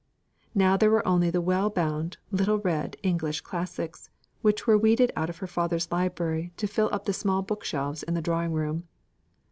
Now there were only the well bound, little read English Classics, which were weeded out of her father's library to fill up the small book shelves in the drawing room.